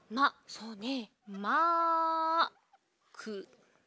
そうね。